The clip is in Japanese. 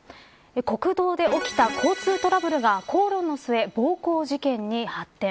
国道で起きた交通トラブルが口論の末、暴行事件に発展。